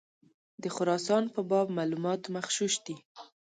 د خراسان په باب معلومات مغشوش دي.